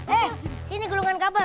eh sini gulungan kabel